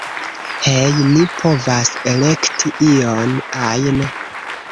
Hej, ni povas elekti ion ajn.